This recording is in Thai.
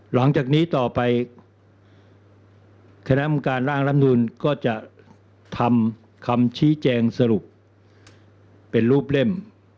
หลังจากนี้ต่อไปคณะกรรมการร่างรับนูลก็จะทำคำชี้แจงสรุปเป็นรูปเล่ม